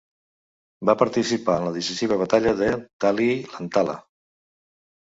Va participar en la decisiva batalla de Tali-Ihantala.